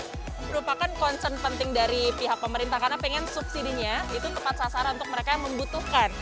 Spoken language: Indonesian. ini merupakan concern penting dari pihak pemerintah karena pengen subsidinya itu tepat sasaran untuk mereka yang membutuhkan